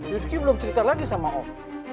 rizky belum cerita lagi sama om